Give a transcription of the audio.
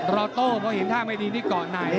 รอโต้เพราะเห็นท่าไม่ดีนี่เกาะไหน